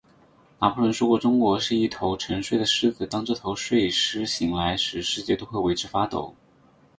拿破仑说过，中国是一头沉睡的狮子，当这头睡狮醒来时，世界都会为之发抖。